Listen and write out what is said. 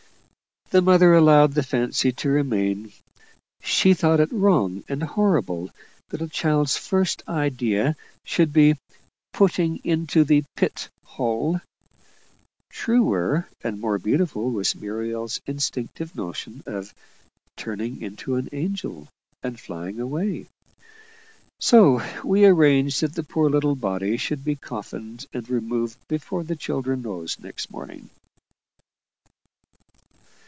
The mother allowed the fancy to remain; she thought it wrong and horrible that a child's first idea should be "putting into the pit hole." Truer and more beautiful was Muriel's instinctive notion of "turning into an angel and flying away." So we arranged that the poor little body should be coffined and removed before the children rose next morning.